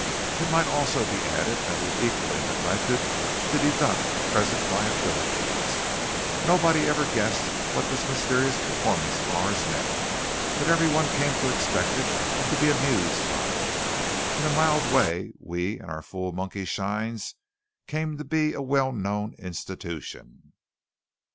It might also be added that we equally neglected to deduct present liabilities. Nobody ever guessed what this mysterious performance of ours meant, but every one came to expect it and to be amused by it. In a mild way we and our fool monkeyshines came to be a well known institution.